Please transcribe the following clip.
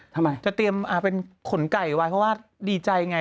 ทำไมจะเตรียมเป็นขนไก่ไว้เพราะว่าดีใจไง